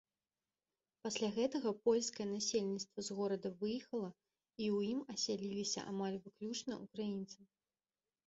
Пасля гэтага польскае насельніцтва з горада выехала, і ў ім асяліліся амаль выключна ўкраінцы.